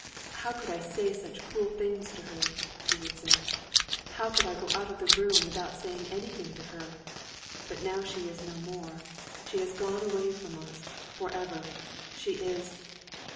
"How could I say such cruel things to her?" he would say. "How could I go out of the room without saying anything to her? But now she is no more. She has gone away from us forever. She is...."